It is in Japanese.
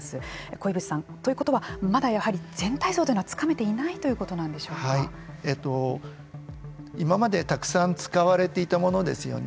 鯉淵さん、ということはまだやはり全体像というのはつかめていない今までたくさん使われていたものですよね。